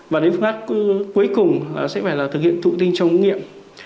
và đến phương án cuối cùng sẽ phải là thực hiện thụ tinh trong nghiệm